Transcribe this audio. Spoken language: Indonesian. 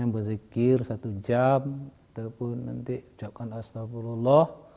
berzikir satu jam ataupun nanti ucapkan astagfirullah